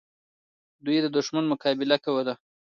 دوی د دښمن مقابله کوله.